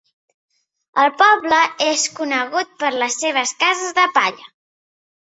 El poble és conegut per les seves cases de palla.